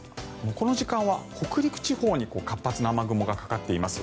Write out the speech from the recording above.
この時間は北陸地方に活発な雨雲がかかっています。